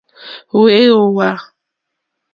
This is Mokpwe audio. Wɛ̄ ǒ wàà.